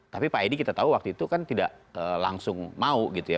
tapi pak edi kita tahu waktu itu kan tidak langsung mau gitu ya